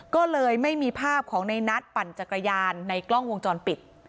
ก็เลยไม่มีภาพของในนัทปั่นจักรยานในกล้องวงจรปิด